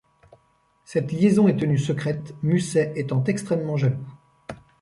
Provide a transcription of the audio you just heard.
Cette liaison est tenue secrète, Musset étant extrêmement jaloux.